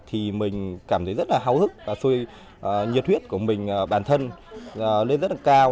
thì mình cảm thấy rất là hào hức và xuôi nhiệt huyết của mình bản thân lên rất là cao